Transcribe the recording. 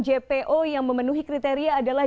jpo yang memenuhi kriteria adalah